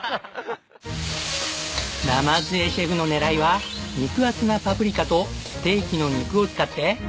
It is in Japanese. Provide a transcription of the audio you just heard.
鯰江シェフの狙いは肉厚なパプリカとステーキの肉を使って。